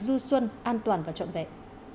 du xuân an toàn và trọn vẹn